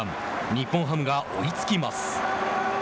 日本ハムが追いつきます。